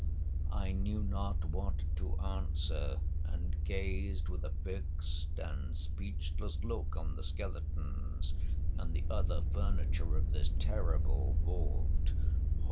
I knew not what to answer, and gazed with a fixed and speechless look on the skeletons and the other furniture of this terrible vault.